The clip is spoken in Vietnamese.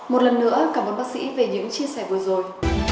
một lần nữa cảm ơn bác sĩ về những chia sẻ vừa rồi